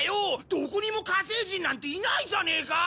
どこにも火星人なんていないじゃねえか！